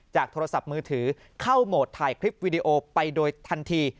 โทรศัพท์มือถือเข้าโหมดถ่ายคลิปวิดีโอไปโดยทันที